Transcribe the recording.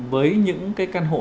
với những căn hộ